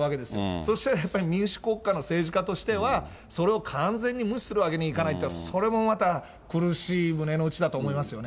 そしたらやっぱり民主国家の政治家としては、それを完全に無視するわけにいかないってのは、それもまた、苦しい胸の内だと思いますよね。